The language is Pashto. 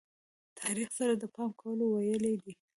تاریخ سره د پام کولو ویلې دي.